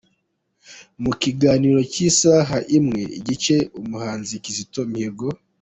Mu kiganiro cyisaha imwe nigice, umuhanzi Kizito Mihigo.